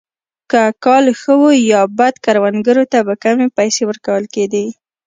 که کال ښه وو یا بد کروندګرو ته به کمې پیسې ورکول کېدې.